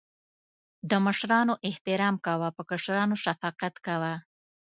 د مشرانو احترام کوه.په کشرانو شفقت کوه